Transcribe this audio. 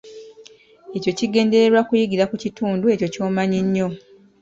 Ekyo kigendererwa kuyigira ku kintu ekyo kyomanyi nnyo.